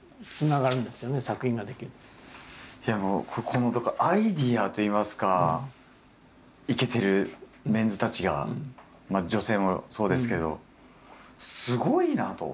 このアイデアといいますかいけてるメンズたちが女性もそうですけどすごいなあと。